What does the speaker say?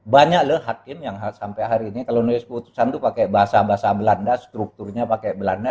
banyak loh hakim yang sampai hari ini kalau nulis putusan itu pakai bahasa bahasa belanda strukturnya pakai belanda